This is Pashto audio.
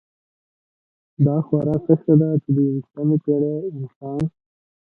دا خورا سخته ده چې د یویشتمې پېړۍ انسان.